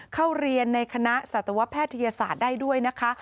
เข้าเรียนในคณะสัตวแพทยศาสตร์ได้ด้วยนะคะ